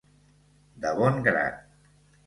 De bon grat.